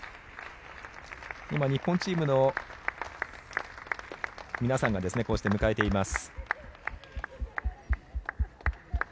今、日本チームの皆さんがこうして迎えています。